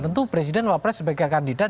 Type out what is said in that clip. tentu presiden wapres sebagai kandidat